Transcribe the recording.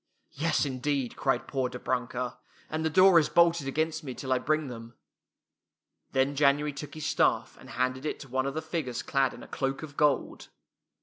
" "Yes, indeed!" cried poor Dobrunka, " and the door is bolted against me till I bring them." Then January took his staff and handed it to one of the figures clad in a cloak of gold.